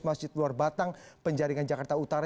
masjid luar batang penjaringan jakarta utara